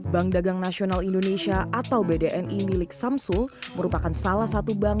bank dagang nasional indonesia atau bdni milik samsul merupakan salah satu bank